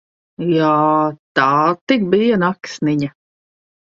Jā, tā tik bija naksniņa!